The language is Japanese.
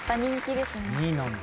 人気ですね。